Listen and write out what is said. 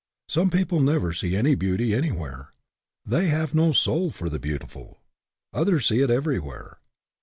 Some people never see any beauty any where. They have no soul for the beautiful. Others see it everywhere.